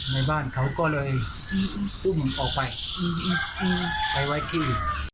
ในบ้านเขาก็เลยอุ้มออกไปไปไว้ที่